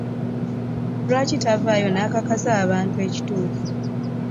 Lwaki tavaayo n'akakasa abantu ekituufu?